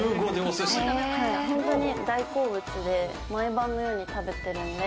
本当に大好物で、毎晩のように食べてるんで。